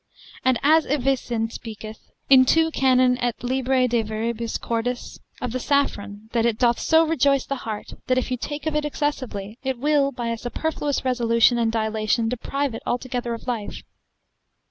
And as Avicen speaketh, in 2 canon et lib. de virib. cordis, of the saffron, that it doth so rejoice the heart that, if you take of it excessively, it will by a superfluous resolution and dilation deprive it altogether of life.